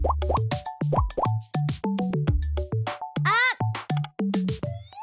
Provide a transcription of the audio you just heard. あっ！